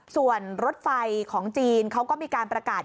ส่วนรถไฟของจีนเขาก็มีการประกาศ